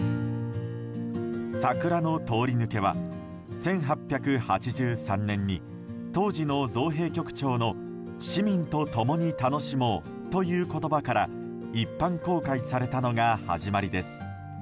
桜の通り抜けは１８８３年に当時の造幣局長の市民と共に楽しもうという言葉から一般公開されたのが始まりです。